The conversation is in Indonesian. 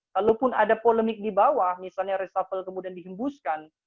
kalaupun ada polemik di bawah misalnya reshuffle kemudian dihembuskan